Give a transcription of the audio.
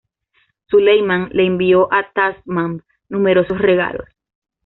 Suleiman le envió a Tahmasp numerosos regalos.